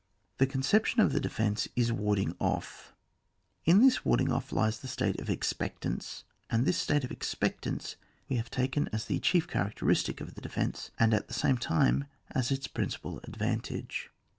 Ths conception of the defence is warding off; in this warding off lies the state of expectance, and this state of expectance we have taken as the chief characteristic of the defence, and at the same time as its principal advantage.